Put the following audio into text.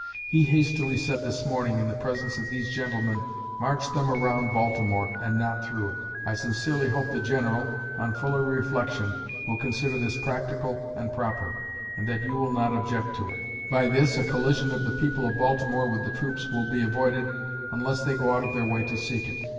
He hastily said this morning, in the presence of these gentlemen, 'March them around Baltimore, and not through it.' I sincerely hope the General, on fuller reflection, will consider this practical and proper, and that you will not object to it. By this, a collision of the people of Baltimore with the troops will be avoided, unless they go out of their way to seek it.